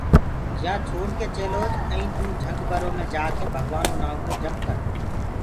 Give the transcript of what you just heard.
يآ ڇوڙڪي چلوج ائيٚنٚ توٚ جهنگ برو مي جآڪي ڀگوآنو نآئونٚ ڪو جپ ڪر